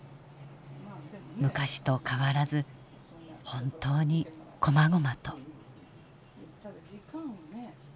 昔と変わらず本当にこまごまと。